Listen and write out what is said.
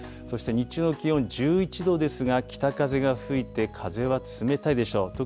そして日中の気温１１度ですが、北風が吹いて、風は冷たいでしょう。